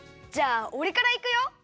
じゃあおれからいくよ。